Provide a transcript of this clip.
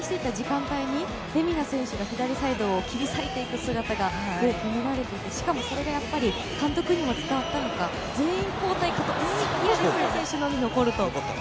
停滞していた時間帯にレミナ選手が左サイドを切り裂いていく姿が見られていてそれがやっぱり監督にも伝わったのか、全員交代かと思いきや、レミナ選手のみ残ると。